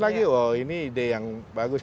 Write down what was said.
lagi wah ini ide yang bagus